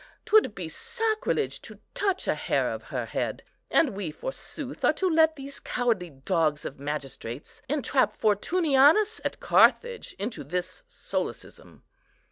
'Twould be sacrilege to touch a hair of her head; and we forsooth are to let these cowardly dogs of magistrates entrap Fortunianus at Carthage into this solecism."